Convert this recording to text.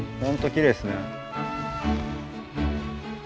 きれいですね。